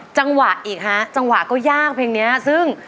จังหวะก็ยากเพราะช่ามนะ